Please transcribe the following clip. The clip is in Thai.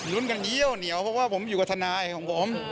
กันเยี่ยวเหนียวเพราะว่าผมอยู่กับทนายของผม